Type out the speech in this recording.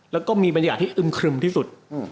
แล้วก็มีบรรยากาศที่อึมครึมที่สุด